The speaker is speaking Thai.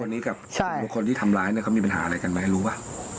คนนี้กับบุคคลที่ทำร้ายเนี่ยเขามีปัญหาอะไรกันไหมรู้ป่ะ